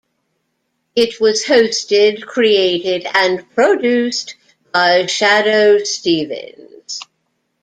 It was hosted, created and produced by Shadoe Stevens.